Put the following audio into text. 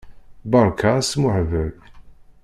Berka asmuhbel.